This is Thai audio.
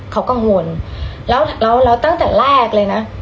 เขากังวลแล้วแล้วตั้งแต่แรกเลยนะ